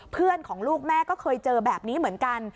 เพื่อนของลูกแม่ก็เคยเจอแบบนี้เหมือนกัน